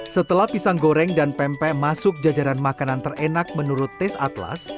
setelah pisang goreng dan pempek masuk jajaran makanan terenak menurut tes atlas